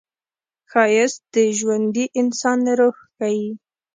ښایست د ژوندي انسان روح ښيي